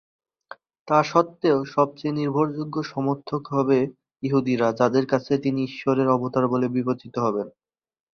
তা সত্ত্বেও, সবচেয়ে নির্ভরযোগ্য সমর্থক হবে ইহুদিরা, যাদের কাছে তিনি ঈশ্বরের অবতার বলে বিবেচিত হবেন।